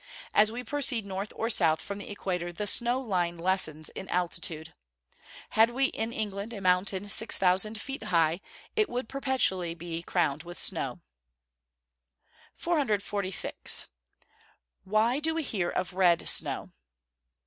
As we proceed north or south from the equator the snow line lessens in altitude. Had we in England a mountain 6,000 feet high, it would be perpetually crowned with snow. 446. _Why do we hear of red snow?